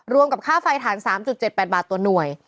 กับค่าไฟฐาน๓๗๘บาทต่อหน่วย